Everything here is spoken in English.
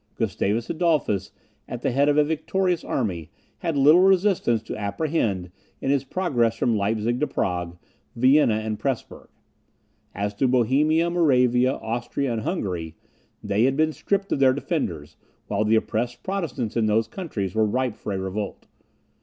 Gustavus Adolphus, at the head of a victorious army, had little resistance to apprehend in his progress from Leipzig to Prague, Vienna, and Presburg. As to Bohemia, Moravia, Austria, and Hungary, they had been stripped of their defenders, while the oppressed Protestants in these countries were ripe for a revolt.